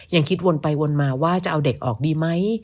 ยังคิดวนไปวนมาว่าจะเอาเด็กออกดีไหม